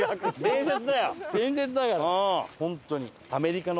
伝説だから！